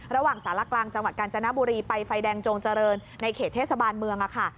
ระหว่างสารกลางจังหวัดกาญจนบุรีไปไฟแดงโจงเจริญในเขตเทศบาลเมืองค่ะ